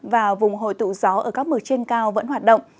và vùng hội tụ gió ở các mực trên cao vẫn hoạt động